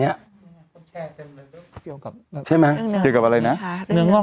เราก็มีความหวังอะ